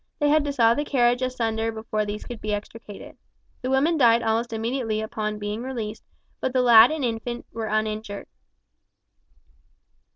They had to saw the carriage asunder before these could be extricated. The woman died almost immediately on being released, but the lad and infant were uninjured.